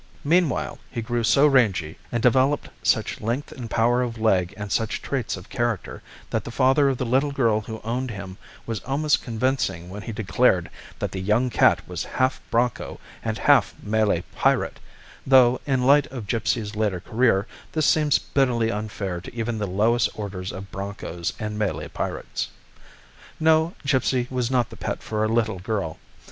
Meanwhile, he grew so rangy, and developed such length and power of leg and such traits of character, that the father of the little girl who owned him was almost convincing when he declared that the young cat was half broncho and half Malay pirate though, in the light of Gipsy's later career, this seems bitterly unfair to even the lowest orders of bronchos and Malay pirates. No; Gipsy was not the pet for a little girl.